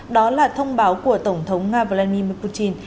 đó là thông báo của tổng thống nga vladimir putin